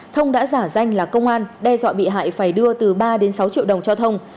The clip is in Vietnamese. thông đã giả danh là công an đe dọa bị hại phải đưa từ ba đến sáu triệu đồng cho thông